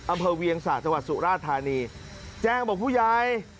อำเภอเวียงศาสตร์จังหวัดสุราชธานีแจ้งบอกผู้ยาย